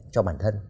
cho bản thân